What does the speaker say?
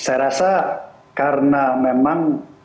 saya rasa karena memang